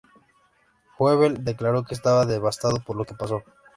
Goebel declaró que estaba devastado por lo que pasó.